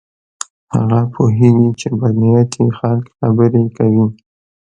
هغه پوهیږي چې بد نیتي خلک خبرې کوي.